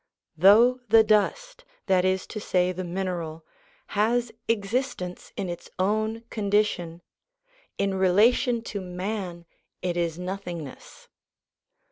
Though the dust, that is to say the mineral, has existence in its own condition, in relation to man it is nothingness.